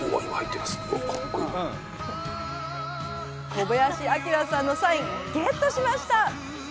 小林旭さんのサイン、ゲットしました。